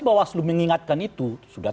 bawaslu mengingatkan itu sudah